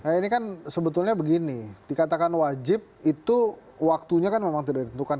ini kan sebetulnya begini dikatakan wajib itu waktunya kan memang tidak ditentukan